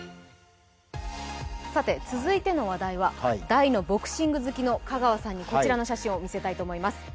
さて、続いての話題は、大のボクシング好きの香川さんにこちらをお見せしたいと思います。